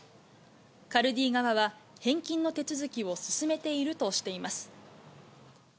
カルディ側は、返金の手続きを進めているとしています。